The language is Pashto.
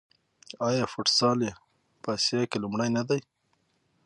آیا فوټسال یې په اسیا کې لومړی نه دی؟